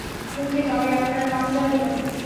দুঃখিত আমি আপনার নাম জানি না।